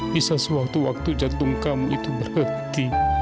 bisa sewaktu waktu jantung kamu itu berhenti